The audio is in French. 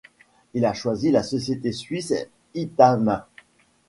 Il a choisi la société suisse Intamin.